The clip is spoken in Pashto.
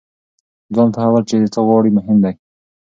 ځان پوهول چې څه غواړئ مهم دی.